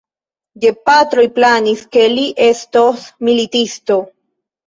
Gepatroj planis, ke li estos militisto.